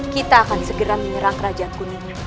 kita akan segera menyerang kerajaan kuning